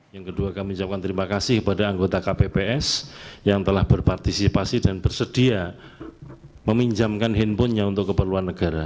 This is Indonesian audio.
yang kedua kami ucapkan terima kasih kepada anggota kpps yang telah berpartisipasi dan bersedia meminjamkan handphonenya untuk keperluan negara